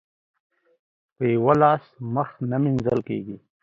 په يوه لاس مخ نه مينځل کېږي.